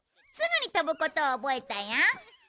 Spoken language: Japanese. すぐに飛ぶことを覚えたよ！